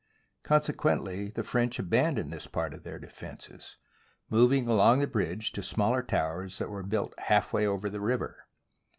Consequently the French abandoned this part of their defences, moving along the bridge to smaller towers that were built half way over the SIEGE OF ORLEANS river.